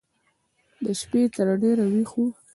د شپې به تر ډېره ويښ و.